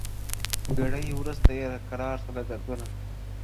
• ګړی وروسته یې کرار سوله دردوونه -